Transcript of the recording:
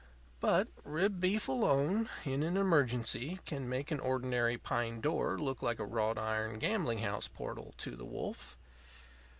But rib beef alone, in an emergency, can make an ordinary pine door look like a wrought iron gambling house portal to the wolf.